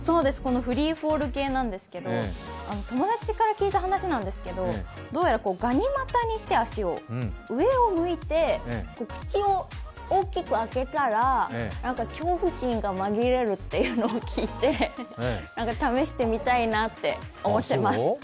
フリーフォール系なんですけど友達から聞いた話しなんですけどどうやらがに股にして足を、上を向いて、口を大きく開けたら恐怖心が紛れるっていうのを聞いて試してみたいなって思ってます。